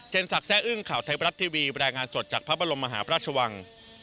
ศักดิ์แซ่อึ้งข่าวไทยบรัฐทีวีรายงานสดจากพระบรมมหาพระราชวัง